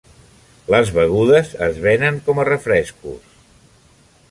Les begudes es venen com a refrescos.